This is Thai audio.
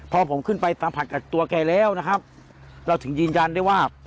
พอผมขึ้นไปสัมผัสกับตัวแกแล้วนะครับเราถึงยืนยันได้ว่า